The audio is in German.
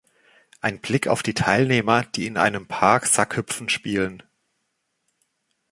Ein Blick auf die Teilnehmer, die in einem Park Sackhüpfen spielen